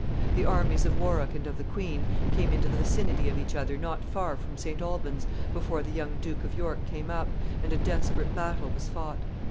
The armies of Warwick and of the queen came into the vicinity of each other not far from St. Alban's, before the young Duke of York came up, and a desperate battle was fought.